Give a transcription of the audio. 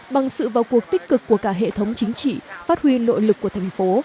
bằng sự vào cuộc tích cực của cả hệ thống chính trị phát huy nội lực của thành phố